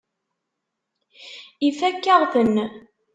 Ifakk-aɣ-ten.